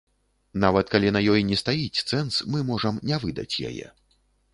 Нават калі на ёй не стаіць цэнз, мы можам не выдаць яе.